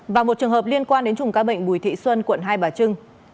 và một trường hợp liên quan đến chùm ca bệnh bùi thị xuân quận hai bà trưng